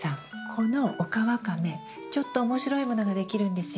このオカワカメちょっと面白いものができるんですよ。